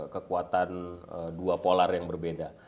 kekuatan dua polar yang berbeda